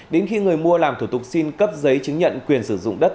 đến khi người mua làm thủ tục xin cấp giấy chứng nhận quyền sử dụng đất